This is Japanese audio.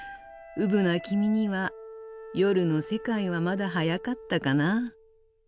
ウブな君には夜の世界はまだ早かったかな。